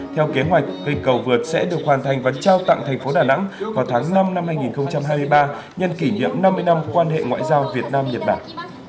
theo kế hoạch cây cầu vượt sẽ được hoàn thành và trao tặng thành phố đà nẵng vào tháng năm năm hai nghìn hai mươi ba nhân kỷ niệm năm mươi năm quan hệ ngoại giao việt nam nhật bản